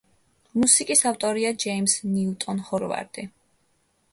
მუსიკის ავტორია ჯეიმზ ნიუტონ ჰოვარდი.